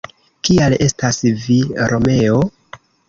Kial estas vi Romeo?».